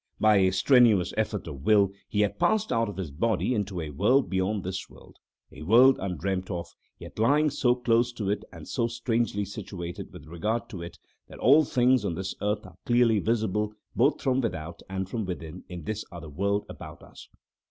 By a strenuous effort of will he had passed out of his body into a world beyond this world, a world undreamt of, yet lying so close to it and so strangely situated with regard to it that all things on this earth are clearly visible both from without and from within in this other world about us.